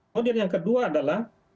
kemudian yang kedua adalah